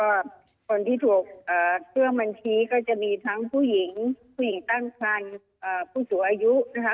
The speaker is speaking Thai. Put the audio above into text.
แล้วก็คนที่ถูกเครื่องมันทีก็จะมีทั้งผู้หญิงถัญผู้อยู่ในการคุยสู่อายุนะคะ